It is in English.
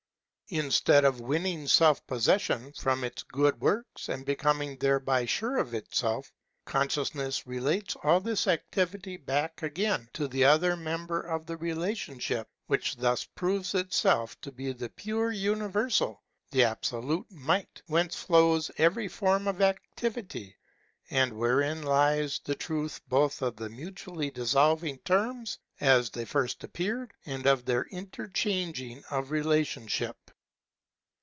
Instead of winning self possession from its good works, and becoming thereby sure of itself, Consciousness re lates all this activity back again to the other member of the relationship, which thus proves itself to be the pure Universal, the Absolute Might, whence flows every form of activity, and wherein lies the truth both of the mutually dissolving terms, as they first appeared, and of their interchanging of relationship.